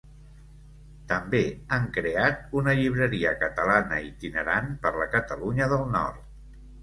També han creat una llibreria catalana itinerant per la Catalunya del Nord.